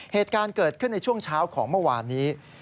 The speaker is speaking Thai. เหตุการณ์เกิดขึ้นในช่วงเช้าของเมื่อวานนี้